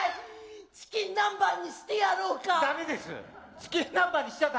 チキン南蛮にしてやろうか！